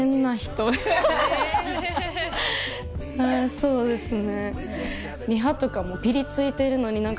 そうですね。